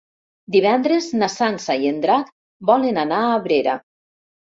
Divendres na Sança i en Drac volen anar a Abrera.